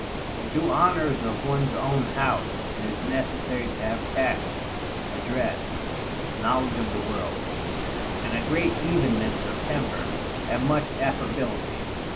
To do the honors of one's own house, it is necessary to have tact, address, knowledge of the world, and a great evenness of temper, and much affability.